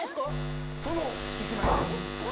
その１万円です。